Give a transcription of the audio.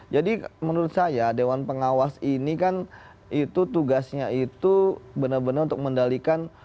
jadi menurut saya dewan pengawas ini kan itu tugasnya itu benar benar untuk mendalikan